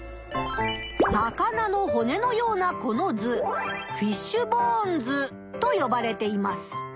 さかなのほねのようなこの図フィッシュ・ボーン図とよばれています。